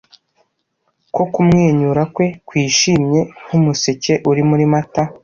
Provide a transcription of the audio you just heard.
Ko kumwenyura kwe kwishimye nkumuseke muri Mata